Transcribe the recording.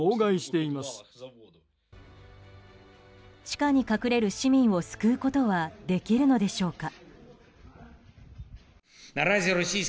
地下に隠れる市民を救うことはできるのでしょうか。